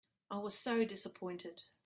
I was so dissapointed.